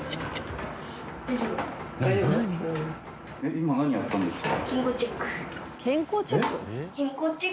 今何やったんですか？